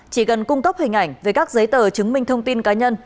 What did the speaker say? chỉ cần cung cấp hình ảnh về các giấy tờ chứng minh thông tin cá nhân